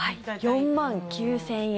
４万９０００円。